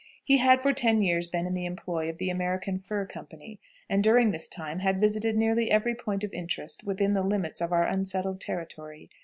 He had for ten years been in the employ of the American Fur Company, and during this time had visited nearly every point of interest within the limits of our unsettled territory.